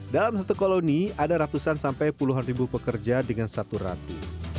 dalam satu koloni ada ratusan sampai puluhan ribu pekerja dengan satu ratu